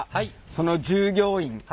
その従業員！